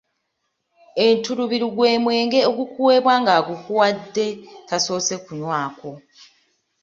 Entulubiru gwe mwenge ogukuweebwa nga agukuwadde tasoose kunywako.